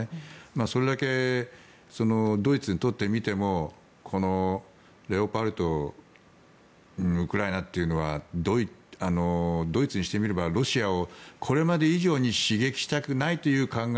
それだけドイツにとってみてもこのレオパルトウクライナというのはドイツにしてみればロシアをこれまで以上に刺激したくないという考え